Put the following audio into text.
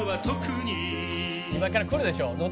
「今からくるでしょノ